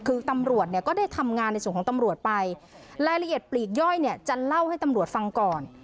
คือตำรวจเนี่ยก็ได้ทำงานในส่วนของตำรวจไปรายละเอียดปลีกย่อยเนี่ยจะเล่าให้ตำรวจฟังก่อน